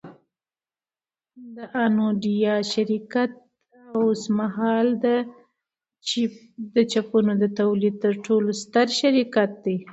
د انویډیا شرکت اوسمهال د چیپونو د تولید تر ټولو ستر شرکت دی